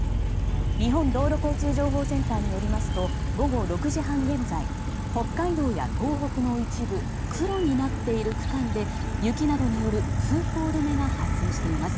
日本道路交通情報センターによりますと、午後６時半現在北海道や東北の一部黒になっている区間で雪などによる通行止めが発生しています。